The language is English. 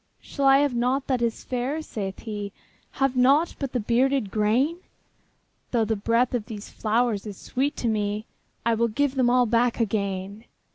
``Shall I have nought that is fair?'' saith he; ``Have nought but the bearded grain? Though the breath of these flowers is sweet to me, I will give them all back again.''